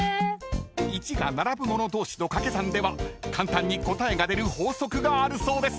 ［１が並ぶもの同士の掛け算では簡単に答えが出る法則があるそうです。